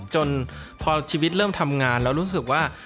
จนพอชีวิตเริ่มทำงานแล้วรู้สึกว่า